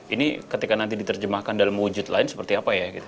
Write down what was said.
ini ketika nanti diterjemahkan dalam wujud lain seperti apa ya gitu